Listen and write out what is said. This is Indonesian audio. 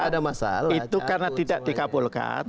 jadi begini mereka itu karena tidak dikabulkan